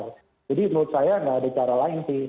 jadi menurut saya tidak ada cara lain sih